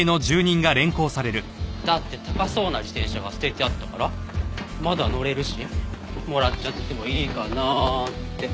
だって高そうな自転車が捨ててあったからまだ乗れるしもらっちゃってもいいかなって。